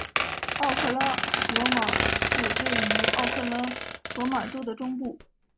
奥克拉荷马市位于奥克拉荷马州的中部。